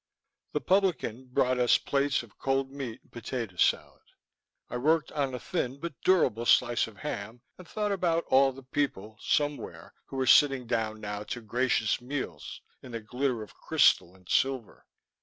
The publican brought us plates of cold meat and potato salad. I worked on a thin but durable slice of ham and thought about all the people, somewhere, who were sitting down now to gracious meals in the glitter of crystal and silver.